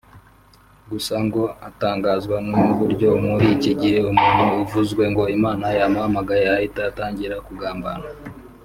Gusa ngo atangazwa n’uburyo muri iki gihe umuntu uvuzwe ngo Imana yamuhamagaye ahita atangira kugambana